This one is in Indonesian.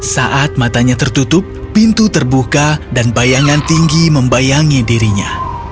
saat matanya tertutup pintu terbuka dan bayangan tinggi membayangi dirinya